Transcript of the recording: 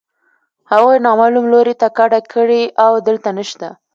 هغوی نامعلوم لوري ته کډه کړې او دلته نشته